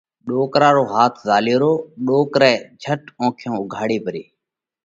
ڏوڪرا رو هاٿ زهاليو رو، ڏوڪرئہ جھٽ اونکيون اُوگھاڙي پري